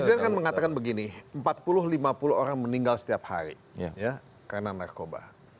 presiden kan mengatakan begini empat puluh lima puluh orang meninggal setiap hari karena narkoba